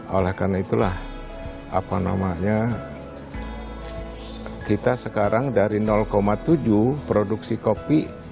oleh karena itulah apa namanya kita sekarang dari tujuh produksi kopi